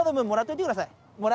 もらっといてください。